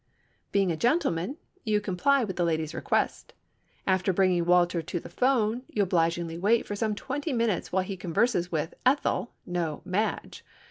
Being a gentleman, you comply with the lady's request. After bringing Walter to the phone, you obligingly wait for some twenty minutes while he converses with Ethel—no, Madge.